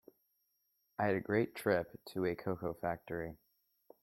I had a great trip to a cocoa factory.